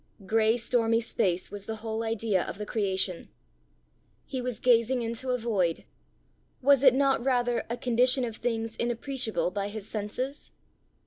Gray stormy space was the whole idea of the creation. He was gazing into a void was it not rather a condition of things inappreciable by his senses?